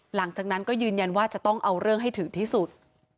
หลังจากนั้นก็ยืนยันว่าจะต้องเอาเรื่องให้ถึงที่สุด